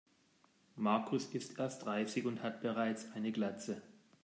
Markus ist erst dreißig und hat bereits eine Glatze.